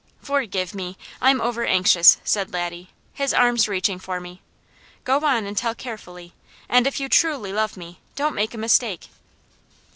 "Forgive me! I'm overanxious," said Laddie, his arms reaching for me. "Go on and tell carefully, and if you truly love me, don't make a mistake!"